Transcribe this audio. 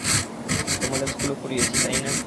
তোমাদের স্কুলে পড়িয়েছি, তাই না?